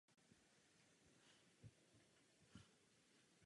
Je poměrně odolná proti mrazu.